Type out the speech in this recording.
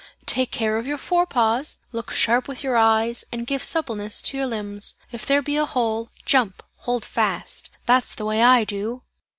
Take care of your fore paws! Look sharp with your eyes, and give suppleness to your limbs! If there be a hole, jump, hold fast, that's the way I do!"